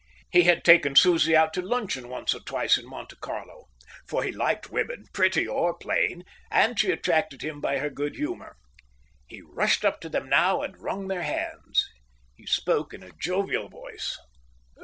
He had taken Susie out to luncheon once or twice in Monte Carlo; for he liked women, pretty or plain, and she attracted him by her good humour. He rushed up to them now and wrung their hands. He spoke in a jovial voice.